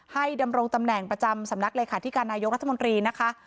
ดำรงตำแหน่งประจำสำนักเลขาธิการนายกรัฐมนตรีนะคะ